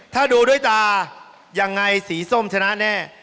ถ้าดูด้วยตายังไงสีส้มชนะแน่